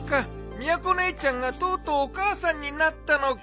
みやこ姉ちゃんがとうとうお母さんになったのか。